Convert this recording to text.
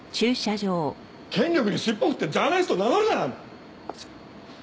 権力に尻尾振ってジャーナリスト名乗るな！